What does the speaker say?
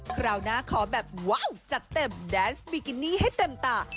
คราวหน้าขอแบบว้าวจัดเต็มแดนส์บิกินี่ให้เต็มตา